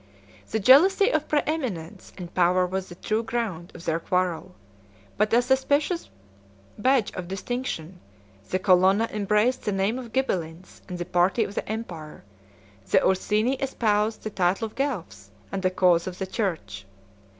The jealously of preeminence and power was the true ground of their quarrel; but as a specious badge of distinction, the Colonna embraced the name of Ghibelines and the party of the empire; the Ursini espoused the title of Guelphs and the cause of the church.